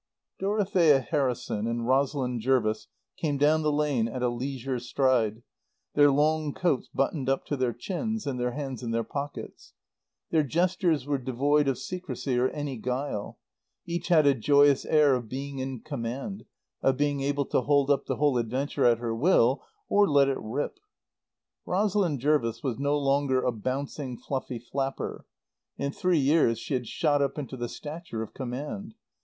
Dorothea Harrison and Rosalind Jervis came down the lane at a leisured stride, their long coats buttoned up to their chins and their hands in their pockets. Their I gestures were devoid of secrecy or any guile. Each had a joyous air of being in command, of being able to hold up the whole adventure at her will, or let it rip. Rosalind Jervis was no longer a bouncing, fluffy flapper. In three years she had shot up into the stature of command.